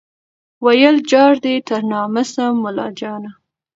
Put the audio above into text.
ویل جار دي تر نامه سم مُلاجانه